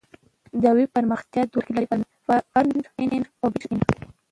د ویب پراختیا دوه برخې لري: فرنټ اینډ او بیک اینډ.